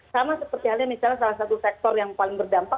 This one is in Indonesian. sama seperti halnya misalnya salah satu sektor yang paling berdampak